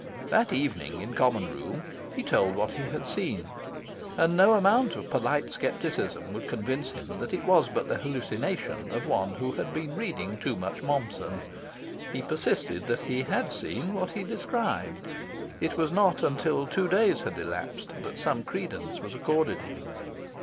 That evening, in Common Room, he told what he had seen; and no amount of polite scepticism would convince him that it was but the hallucination of one who had been reading too much Mommsen. He persisted that he had seen what he described. It was not until two days had elapsed that some credence was accorded him.